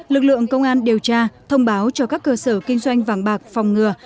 lực lượng công an điều tra thông báo cho các cơ sở kinh doanh vàng bạc phòng ngừa